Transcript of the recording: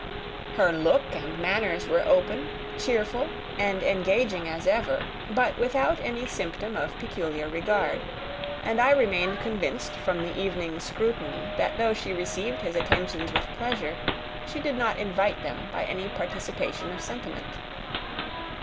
Her look and manners were open, cheerful, and engaging as ever, but without any symptom of peculiar regard; and I remained convinced, from the evening's scrutiny, that though she received his attentions with pleasure, she did not invite them by any participation of sentiment.